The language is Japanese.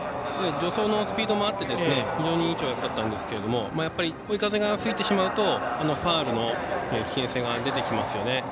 助走のスピードもあって非常にいい跳躍だったんですが追い風が吹いてしまうとファウルの危険性が出てきますよね。